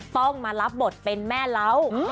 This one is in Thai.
ต้องมารับบทเป็นแม่เล้า